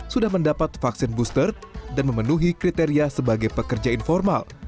sudah mendapat vaksin booster dan memenuhi kriteria sebagai pekerja informal